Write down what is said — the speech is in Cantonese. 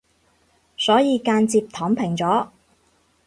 所以間接躺平咗